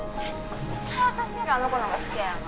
絶対私よりあの子の方が好きやよな